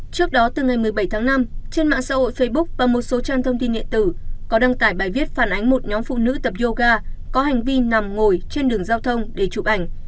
trước đó từ ngày một mươi bảy tháng năm trên mạng xã hội facebook và một số trang thông tin điện tử có đăng tải bài viết phản ánh một nhóm phụ nữ tập yoga có hành vi nằm ngồi trên đường giao thông để chụp ảnh